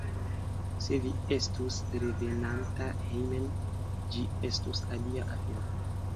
Se vi estus revenanta hejmen, ĝi estus alia afero.